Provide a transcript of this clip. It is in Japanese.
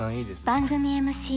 番組ＭＣ